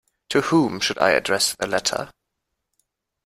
To whom should I address the letter?